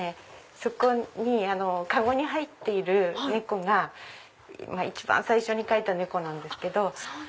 そこに籠に入っている猫が一番最初に描いた猫なんですけど。